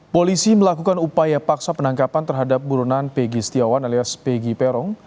polisi melakukan upaya paksa penangkapan terhadap buronan pegi setiawan alias pegi perong